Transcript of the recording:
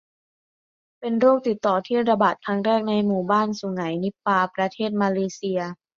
เป็นโรคติดต่อที่ระบาดครั้งแรกในหมู่บ้านสุไหงนิปาห์ ประเทศมาเลเซีย